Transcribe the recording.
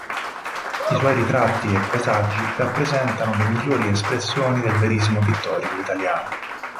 I suoi ritratti e paesaggi rappresentano le migliori espressioni del verismo pittorico italiano.